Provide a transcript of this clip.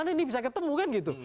karena ini bisa ketemu kan gitu